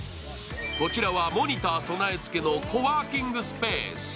こちらはモニター備え付けのコワーキングスペース。